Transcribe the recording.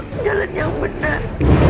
ke jalan yang benar